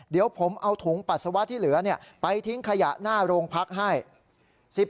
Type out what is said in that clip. เดี๋ยวผมเอาถุงปัสสาวะที่เหลือไปทิ้งขยะหน้าโรงพักให้